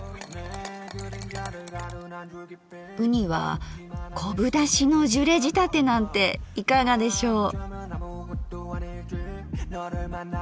うには昆布だしのジュレ仕立てなんていかがでしょう？